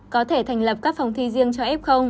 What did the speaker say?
có thể thành lập các phòng thi riêng cho f